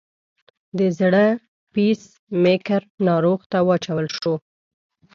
د زړه پیس میکر ناروغ ته واچول شو.